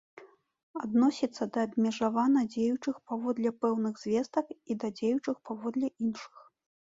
Адносіцца да абмежавана дзеючых паводле пэўных звестак і да дзеючых паводле іншых.